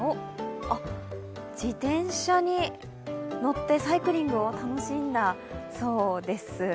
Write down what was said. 自転車に乗ってサイクリングを楽しんだそうです。